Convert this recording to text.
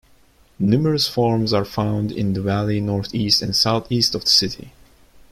Numerous farms are found in the valleys northeast and southeast of the city.